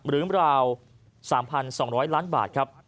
ราว๓๒๐๐ล้านบาทครับ